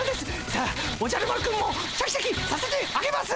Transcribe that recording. さあおじゃる丸くんもシャキシャキさせてあげます